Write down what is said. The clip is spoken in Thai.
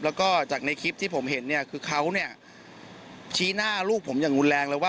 แล้วก็จากในคลิปที่ผมเห็นเนี่ยคือเขาเนี่ยชี้หน้าลูกผมอย่างรุนแรงเลยว่า